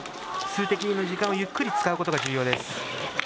数的優位の時間をゆっくり使うことが重要です。